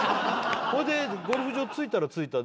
ほいでゴルフ場着いたら着いたで。